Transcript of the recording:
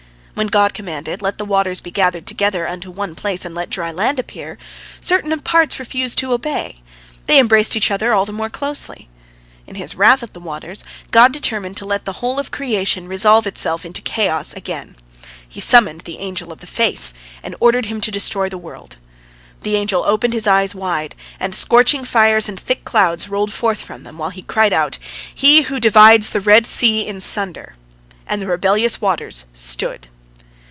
When God commanded, "Let the waters be gathered together, unto one place, and let the dry land appear," certain parts refused to obey. They embraced each other all the more closely. In His wrath at the waters, God determined to let the whole of creation resolve itself into chaos again. He summoned the Angel of the Face, and ordered him to destroy the world. The angel opened his eyes wide, and scorching fires and thick clouds rolled forth from them, while he cried out, "He who divides the Red Sea in sunder!"—and the rebellious waters stood.